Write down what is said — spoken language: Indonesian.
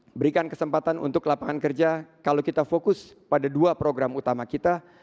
kita berikan kesempatan untuk lapangan kerja kalau kita fokus pada dua program utama kita